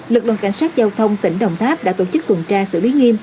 lực lượng cảnh sát giao thông tỉnh đồng tháp đã tổ chức tuần tra xử lý nghiêm